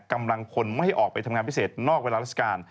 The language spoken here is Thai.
กำลังพลไม่ให้ออกไปทำงานพิเศษนอกเวลาราชการ